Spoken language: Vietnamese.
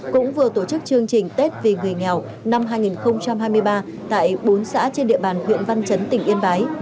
cũng vừa tổ chức chương trình tết vì người nghèo năm hai nghìn hai mươi ba tại bốn xã trên địa bàn huyện văn chấn tỉnh yên bái